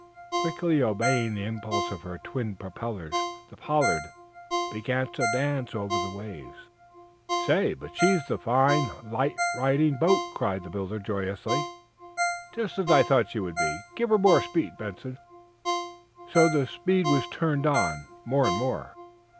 Quickly obeying the impulse of her twin propellers, the "Pollard." began to dance over the waves. "Say, but she's the fine, light riding boat!" cried the builder, joyously. "Just as I thought she would be. Give her more speed, Benson." So the speed was turned on, more and more.